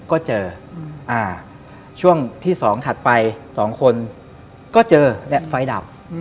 ก็เจอช่วงที่๒ถัดไป๒คนก็เจอและไฟดับ